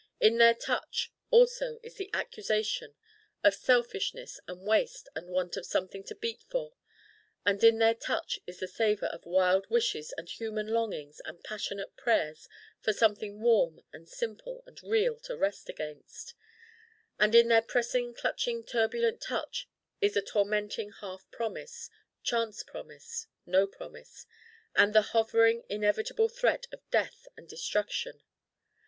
In their touch also is an accusation: of selfishness and waste and want of something to beat for: and in their touch is the savor of wild wishes and human longings and passionate prayers for something warm and simple and real to rest against: and in their pressing clutching turbulent touch is a tormenting half promise, chance promise, no promise: and the hovering inevitable threat of death and destruction.